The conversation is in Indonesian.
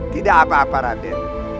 tidak apa apa raden